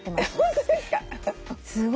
本当ですか。